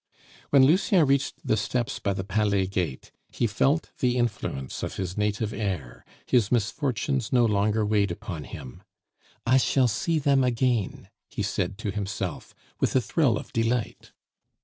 When Lucien reached the steps by the Palet Gate, he felt the influence of his native air, his misfortunes no longer weighed upon him. "I shall see them again!" he said to himself, with a thrill of delight.